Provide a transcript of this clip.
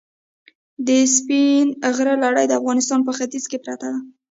د سپین غر لړۍ د افغانستان په ختیځ کې پرته ده.